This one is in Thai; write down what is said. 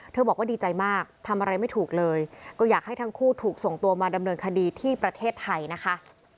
บอกว่าดีใจมากทำอะไรไม่ถูกเลยก็อยากให้ทั้งคู่ถูกส่งตัวมาดำเนินคดีที่ประเทศไทยนะคะ